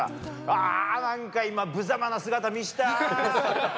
ああ、なんか今、ぶざまな姿見せたー。